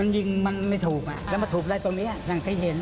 มันยิงมันไม่ถูกแล้วมาถูกอะไรตรงนี้อย่างที่เห็น